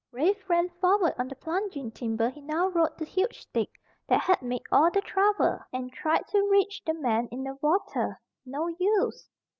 Rafe ran forward on the plunging timber he now rode the huge stick that had made all the trouble, and tried to reach the man in the water. No use!